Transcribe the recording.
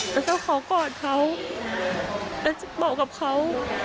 แล้วถ้าเขากร่องเขาและบอกกับเขา